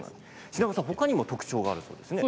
品川さん、ほかにも特徴があるそうですね。